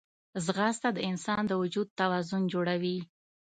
ځغاسته د انسان د وجود توازن جوړوي